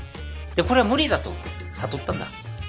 でこれは無理だと悟ったんだ。